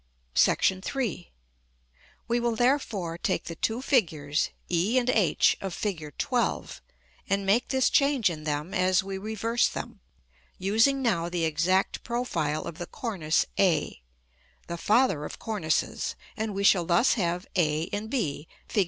§ III. We will, therefore, take the two figures, e and h of Fig. XII., and make this change in them as we reverse them, using now the exact profile of the cornice a, the father of cornices; and we shall thus have a and b, Fig.